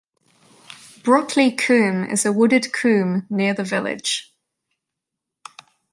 Brockley Combe is a wooded combe near the village.